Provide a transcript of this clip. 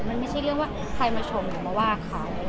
มันไม่ใช่เรื่องว่าใครมาชมหรือมาว่าเขา